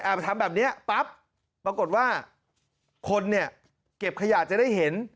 มาทำแบบนี้ปั๊บปรากฏว่าคนเนี่ยเก็บขยะจะได้เห็น